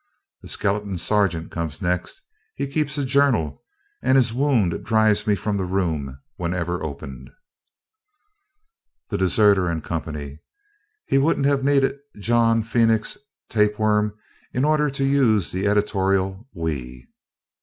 The skeleton sergeant comes next. He keeps a journal, and his wound drives me from the room, whenever opened. The deserter and company. He wouldn't have needed John Phoenix's tape worm, in order to use the editorial "we."